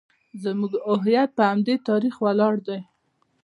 زموږ هویت په همدې تاریخ ولاړ دی